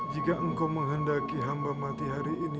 jika engkau menghendaki hamba mati hari ini